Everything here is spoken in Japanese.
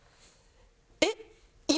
えっ？